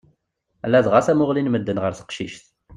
Ladɣa tamuɣli n medden ɣer teqcict.